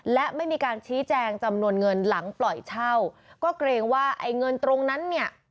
และไม่มีการชี้แจงจำนวนเงินหลังปล่อยเช่าก็เกรงว่าไอ้เงินตรงนั้นเนี่ย